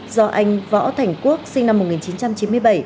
do anh võ thành quốc sinh năm một nghìn chín trăm chín mươi bảy